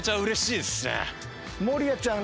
守屋ちゃん。